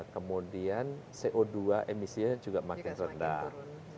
kemudian co dua emisinya juga makin rendah